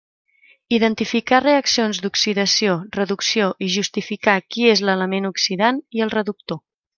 Identificar reaccions d'oxidació reducció i justificar qui és l'element oxidant i el reductor.